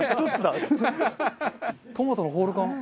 トマトのホール缶。